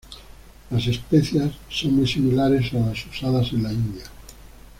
Las especias son muy similares a las usadas en la India.